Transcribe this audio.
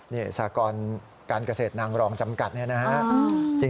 นี่สากรการเกษตรนางรองจำกัดเนี่ยนะฮะ